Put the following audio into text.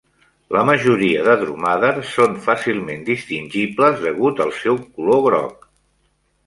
La majoria de Dromader són fàcilment distingibles degut al seu color groc.